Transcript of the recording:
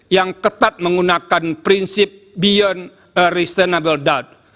yang ketat menggunakan prinsip beyond restanable doubt